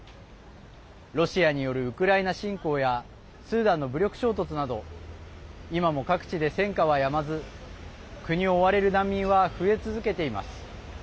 ロシアによるウクライナ侵攻やスーダンの武力衝突など今も各地で戦火はやまず国を追われる難民は増え続けています。